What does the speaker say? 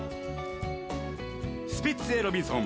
スピッツで『ロビンソン』。